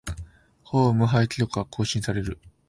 ホーム無敗記録が更新される